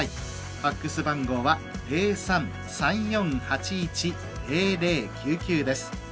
ファックス番号は０３ー３４８１ー００９９です。